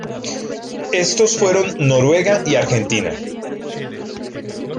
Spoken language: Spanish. Estos fueron Noruega y Argentina.